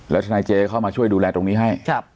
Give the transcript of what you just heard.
ทนายเจเข้ามาช่วยดูแลตรงนี้ให้